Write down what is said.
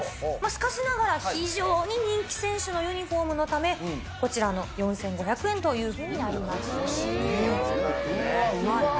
しかしながら非常に人気選手のユニホームのため、こちらの４５００円というふうになりました。